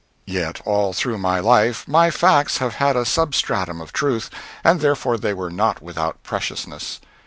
Yet all through my life my facts have had a substratum of truth, and therefore they were not without preciousness.